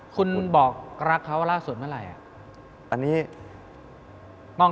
คุณบอกรักเขาล่าสุดเมื่อไหร่